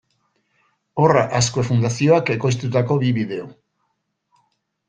Horra Azkue Fundazioak ekoiztutako bi bideo.